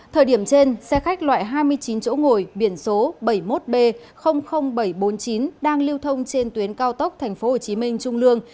thời điểm trên xe khách loại hai mươi chín chỗ ngồi biển số bảy mươi một b bảy trăm bốn mươi chín đang lưu thông trên tuyến cao tốc tp hcm trung lương